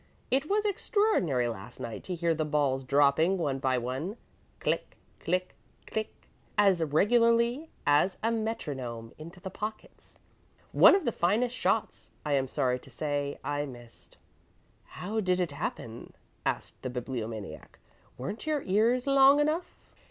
It was extraordinary last night to hear the balls dropping one by one click, click, click as regularly as a metronome, into the pockets. One of the finest shots, I am sorry to say, I missed." "How did it happen?" asked the Bibliomaniac. "Weren't your ears long enough?"